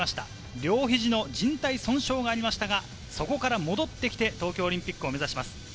両肘のじん帯損傷がありましたが、そこから戻ってきて東京オリンピックを目指します。